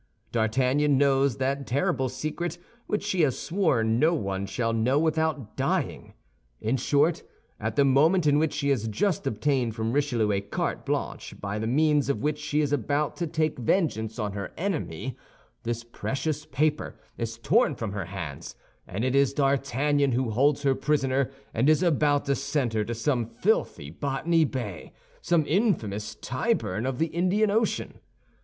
D'Artagnan knows that terrible secret which she has sworn no one shall know without dying. In short, at the moment in which she has just obtained from Richelieu a carte blanche by the means of which she is about to take vengeance on her enemy, this precious paper is torn from her hands, and it is D'Artagnan who holds her prisoner and is about to send her to some filthy Botany Bay, some infamous Tyburn of the Indian Ocean.